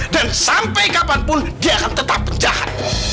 dan sampai kapanpun dia akan tetap penjahat